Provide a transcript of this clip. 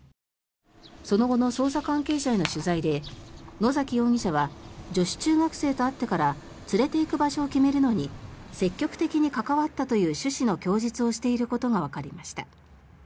その後の捜査関係者への取材で野崎容疑者は女子中学生と会ってから連れていく場所を決めるのに積極的に関わったという趣旨の供述をしていることがわかりました。